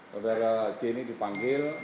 pada hari ini dipanggil